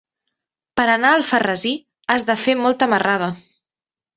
Per anar a Alfarrasí has de fer molta marrada.